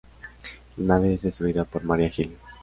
La nave es destruida por Maria Hill.